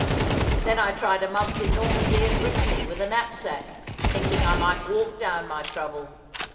Then I tried a month in Normandy and Brittany with a knapsack, thinking I might walk down my trouble.